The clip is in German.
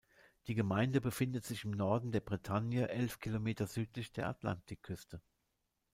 Die Gemeinde befindet sich im Norden der Bretagne, elf Kilometer südlich der Atlantikküste.